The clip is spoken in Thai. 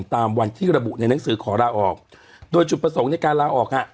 ตามวันที่ระบุในหนังสือขอลาออกโดยจุดประสงค์ในการลาออกอ่ะ